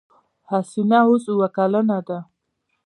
حسينه اوس اوه کلنه ده.